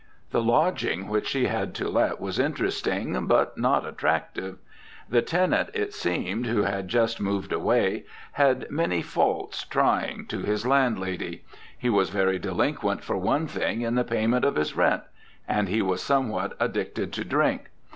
The lodging which she had to let was interesting but not attractive. The tenant, it seemed, who had just moved away had many faults trying to his landlady. He was very delinquent, for one thing, in the payment of his rent. And he was somewhat addicted to drink.